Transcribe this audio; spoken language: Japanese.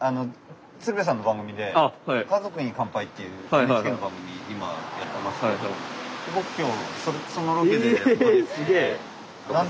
鶴瓶さんの番組で「家族に乾杯」っていうＮＨＫの番組今やってまして僕今日そのロケでここに来て。